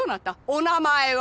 お名前は？